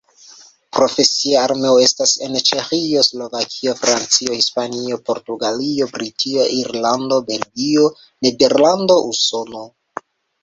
Profesia armeo estas en: Ĉeĥio, Slovakio, Francio, Hispanio, Portugalio, Britio, Irlando, Belgio, Nederlando, Usono.